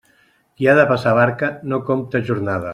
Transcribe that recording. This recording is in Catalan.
Qui ha de passar barca, no compte jornada.